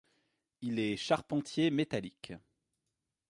Il est charpentier métallique.